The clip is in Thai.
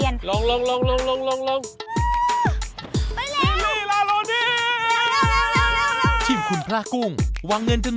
นี่ไงอิจาเลียน